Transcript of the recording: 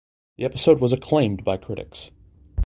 The episode was acclaimed by critics.